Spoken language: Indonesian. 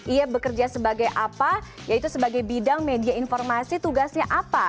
ia bekerja sebagai apa yaitu sebagai bidang media informasi tugasnya apa